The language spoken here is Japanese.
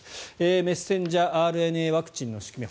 メッセンジャーＲＮＡワクチンの仕組み